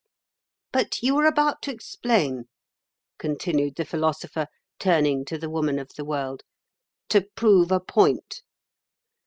"But you were about to explain," continued the Philosopher, turning to the Woman of the World, "—to prove a point."